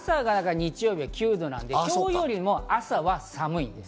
日曜日は朝が９度なので、今日よりも朝が寒いです。